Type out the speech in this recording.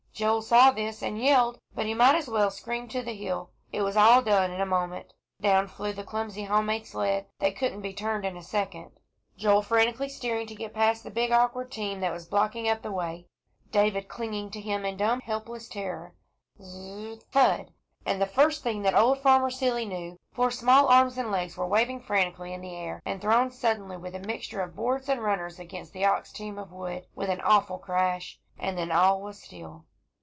Joel saw this, and yelled, but he might as well have screamed to the hill. It was all done in a moment. Down flew the clumsy home made sled, that couldn't be turned in a second; Joel frantically steering to get past the big awkward team, that was blocking up the way, David clinging to him in a dumb helpless terror. Z z rr thud! and the first thing that old Farmer Seeley knew, four small arms and legs were waving frantically in the air, and thrown suddenly, with a mixture of boards and runners, against the ox team of wood, with an awful crash; and then all was still.